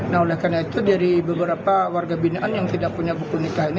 nah oleh karena itu dari beberapa warga binaan yang tidak punya buku nikah ini